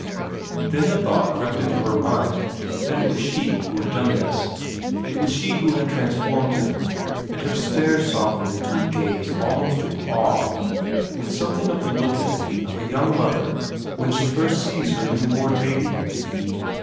Then the thought crept into her mind that it was she who had done this, it was she who had transformed him, and her stare softened into a gaze almost of awe, with something of the look in it of a young mother when she first sees her new born baby.